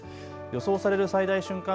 予想される最大瞬間